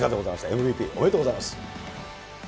ＭＶＰ、おめでとうございます。